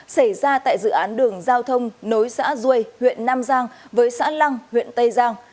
xảy ra tại dự án đường giao thông nối xã duây huyện nam giang với xã lăng huyện tây giang